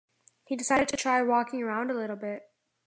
He decided to try walking around a little bit